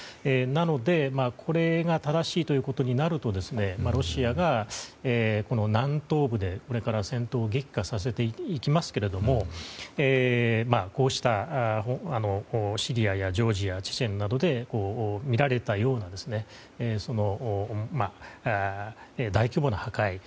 なので、これが正しいということになるとロシアが南東部で、これから戦闘を激化させていきますけれどこうしたシリアやジョージアチェチェンなどでみられたような大規模な破壊。